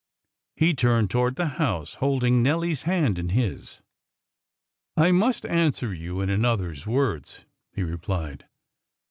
He turned towards the house, holding Nelly's hand in his. "I must answer you in another's words," he replied.